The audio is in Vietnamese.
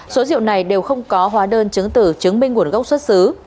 số rượu này đều không có hóa đơn chứng tử chứng minh nguồn gốc xuất xứ